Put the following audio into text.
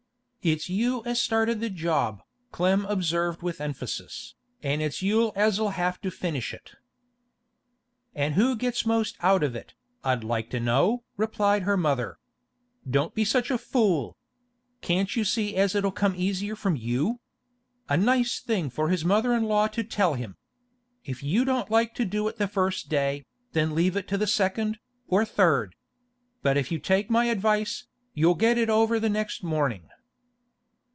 'It's you as started the job,' Clem observed with emphasis, 'an' it's you as'll have to finish it.' 'And who gets most out of it, I'd like to know?' replied her mother. 'Don't be such a fool! Can't you see as it'll come easier from you? A nice thing for his mother in law to tell him! If you don't like to do it the first day, then leave it to the second, or third. But if you take my advice, you'll get it over the next morning.